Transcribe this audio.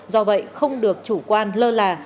do vậy không được chủ quan lơ là